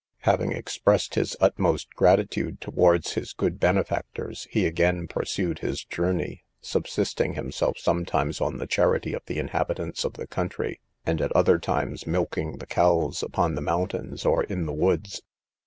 Having expressed his utmost gratitude towards his good benefactors, he again pursued his journey, subsisting himself sometimes on the charity of the inhabitants of the country, and at other times milking the cows upon the mountains or in the woods.